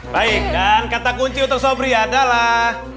baik dan kata kunci untuk sobri adalah